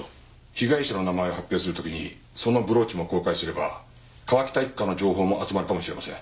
被害者の名前を発表する時にそのブローチも公開すれば川喜多一家の情報も集まるかもしれません。